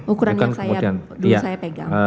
ukuran yang saya yang dulu saya pegang